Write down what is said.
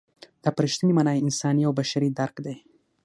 دا په رښتینې مانا انساني او بشري درک دی.